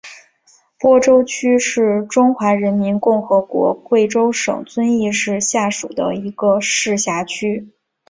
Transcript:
播州区是中华人民共和国贵州省遵义市下属的一个市辖区。